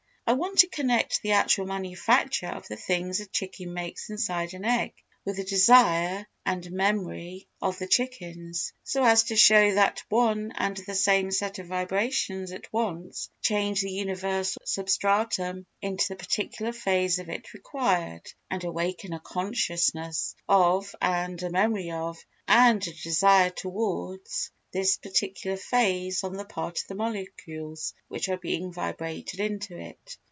I want to connect the actual manufacture of the things a chicken makes inside an egg with the desire and memory of the chickens, so as to show that one and the same set of vibrations at once change the universal substratum into the particular phase of it required and awaken a consciousness of, and a memory of and a desire towards, this particular phase on the part of the molecules which are being vibrated into it.